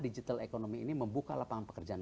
digital economy ini membuka lapangan pekerjaan